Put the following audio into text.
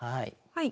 はい。